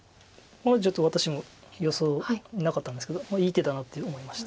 ちょっと私も予想になかったんですけどいい手だなと思いました。